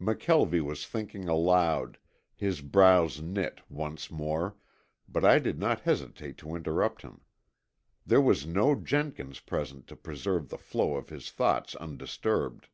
McKelvie was thinking aloud, his brows knit once more, but I did not hesitate to interrupt him. There was no Jenkins present to preserve the flow of his thoughts undisturbed.